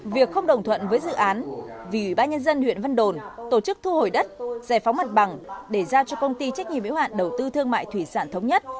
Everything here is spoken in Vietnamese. việc không đồng thuận với dự án vì ba nhân dân huyện vân đồn tổ chức thu hồi đất giải phóng mặt bằng để giao cho công ty trách nhiệm yếu hạn đầu tư thương mại thủy sản thống nhất